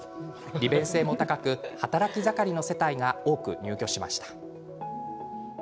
利便性も高く、働き盛りの世代が多く入居しました。